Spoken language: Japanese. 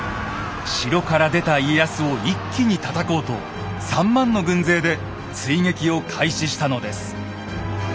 城から出た家康を一気にたたこうと３０，０００の軍勢で追撃を開始したのです。